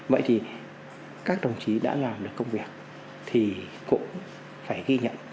vậy thì các đồng chí đã làm được công việc thì cũng phải ghi nhận